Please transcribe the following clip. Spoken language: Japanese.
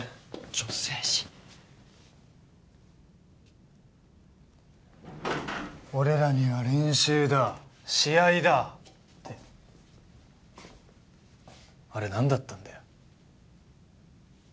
ちょっ誠二俺らには練習だ試合だってあれ何だったんだよ